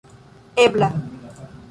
ebla